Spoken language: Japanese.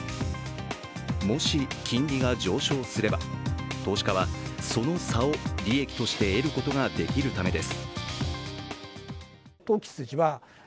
もし金利が上昇すれば投資家はその差を利益として得ることができるためです。